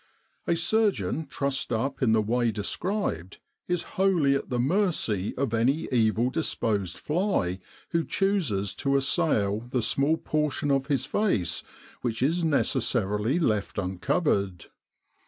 A surgeon trussed up in the way described is wholly at the mercy of any evil disposed fly who chooses to a'ssail the small portion of his face which is necessarily left uncovered.